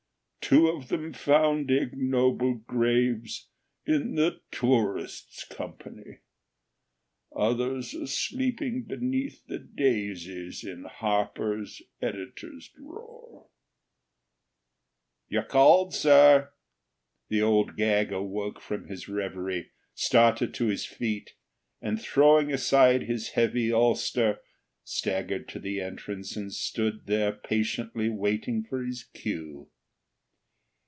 Two of them found ignoble graves in the 'Tourists'' company. Others are sleeping beneath the daisies in Harper's 'Editor's Drawer.'"[Pg 571] "You're called, sir!" The Old Gag awoke from his reverie, started to his feet, and, throwing aside his heavy ulster, staggered to the entrance and stood there patiently waiting for his cue.